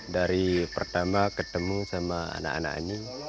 dari pertama ketemu sama anak anak ini